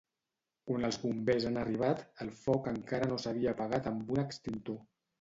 Quan els Bombers han arribat el foc encara no s'havia apagat amb un extintor.